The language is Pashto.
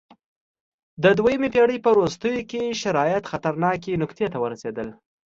د دویمې پېړۍ په وروستیو کې شرایط خطرناکې نقطې ته ورسېدل